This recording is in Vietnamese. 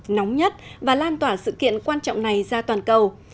nóng nhất và lan tỏa sự kiện quan trọng này ra toàn cầu